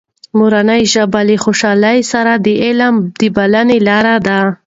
مورنۍ ژبه له خوشحالۍ سره د علم د بلنې لاره ده.